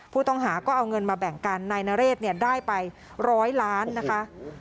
ผู้ต้องหาก็เอาเงินมาแบ่งกันนายนเรศเนี่ยได้ไปร้อยล้านนะคะ